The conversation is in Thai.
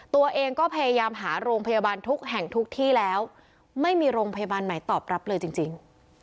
ตัวเองก็พยายามหาโรงพยาบาลทุกแห่งทุกที่แล้วไม่มีโรงพยาบาลไหนตอบรับเลยจริง